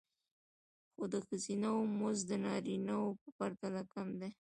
خو د ښځینه وو مزد د نارینه وو په پرتله کم دی